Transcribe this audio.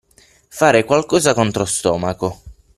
Fare qualcosa contro stomaco.